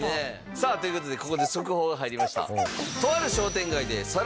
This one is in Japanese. さあという事でここで速報が入りました。